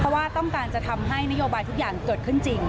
เพราะว่าต้องการจะทำให้นโยบายทุกอย่างเกิดขึ้นจริง